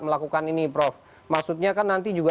melakukan ini prof maksudnya kan nanti juga